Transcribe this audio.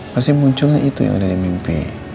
pasti munculnya itu yang ada di mimpi